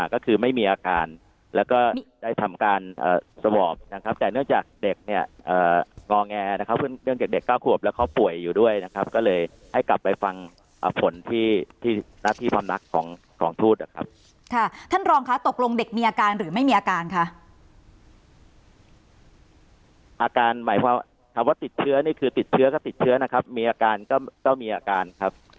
ก็คือไม่มีอาการแล้วก็ได้ทำการสวอปนะครับแต่เนื่องจากเด็กเนี่ยงอแงนะครับเรื่องเด็กเด็กเก้าขวบแล้วเขาป่วยอยู่ด้วยนะครับก็เลยให้กลับไปฟังผลที่ที่หน้าที่ความรักของของทูตนะครับค่ะท่านรองค่ะตกลงเด็กมีอาการหรือไม่มีอาการคะอาการหมายความว่าติดเชื้อนี่คือติดเชื้อก็ติดเชื้อนะครับมีอาการก็มีอาการครับ